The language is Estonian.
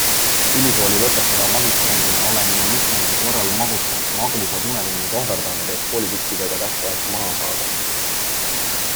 Ülikooli lõpetava magistrandina olen nii mitmelgi korral magusad unetunnid ohverdanud, et koolitükkidega tähtajaks maha saada.